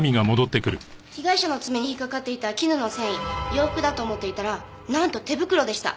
被害者の爪に引っかかっていた絹の繊維洋服だと思っていたらなんと手袋でした。